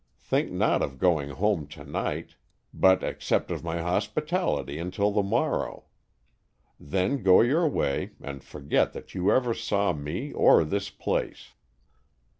Think not of going home to night, but 17 Stories from the Adirondacks. accept of my hospitality until the mor row. Then go your way and forget that you ever saw me or this place.